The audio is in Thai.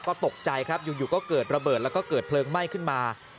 ก็ตกใจครับอยู่ก็เกิดระเบิดแล้วก็เกิดเพลิงไหม้ขึ้นมา